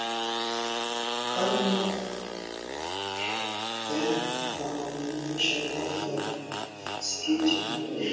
Karne ya na hujumuisha mabaki ya msikiti mkubwa